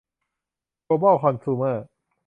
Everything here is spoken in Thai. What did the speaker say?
โกลบอล คอนซูเมอร์